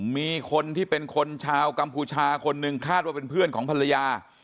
มีคนที่เป็นคนชาวกัมพูชาคนหนึ่งคาดว่าเป็นเพื่อนของภรรยา